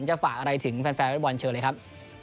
จะฝากอะไรถึงแฟนฟุตบอลเชิญเลยครับ